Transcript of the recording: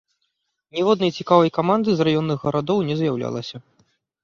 Ніводнай цікавай каманды з раённых гарадоў не з'яўлялася.